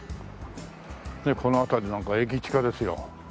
この辺りなんか駅近ですよ。